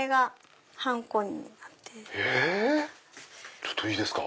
⁉ちょっといいですか？